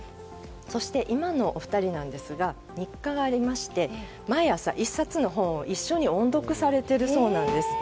そして今のお二人なんですが日課がありまして毎朝、１冊の本を一緒に音読されているそうです。